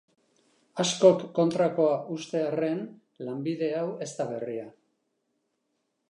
Askok kontrakoa uste arren, lanbide hau ez da berria.